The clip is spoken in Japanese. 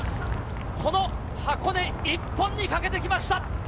この箱根一本にかけてきました。